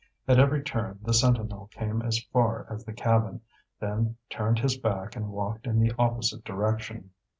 At every turn the sentinel came as far as the cabin, then turned his back and walked in the opposite direction.